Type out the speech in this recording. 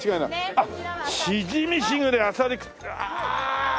あっ「しじみしぐれ」ああ！